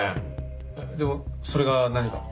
でもそれが何か？